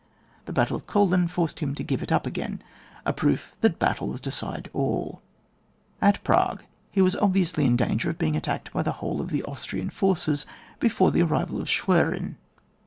The battle of KoUin forced him to give it up again — a proof that battles decide alL At Prague he was obviously in danger of being attacked by the whole of the Austrian forces before the arrival of Schwerin.